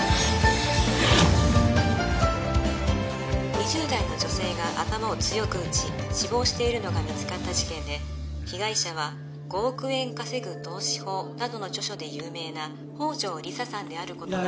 「２０代の女性が頭を強く打ち死亡しているのが見つかった事件で被害者は『５億円稼ぐ投資法』などの著書で有名な宝城理沙さんである事が」